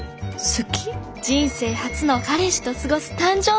人生初の彼氏と過ごす誕生日。